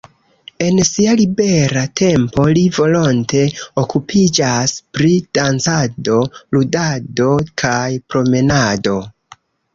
En sia libera tempo li volonte okupiĝas pri dancado, ludado kaj promenado.